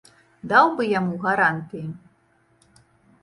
Даў бы яму гарантыі.